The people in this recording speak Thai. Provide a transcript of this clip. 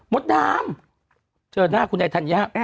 มดนามเจอหน้าคุณนายธัญญา